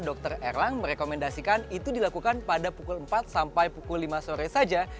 dr erlang merekomendasikan itu dilakukan pada pukul empat sampai pukul lima sore saja